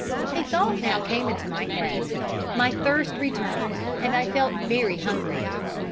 A thought now came into my head. My thirst returned, and I felt very hungry.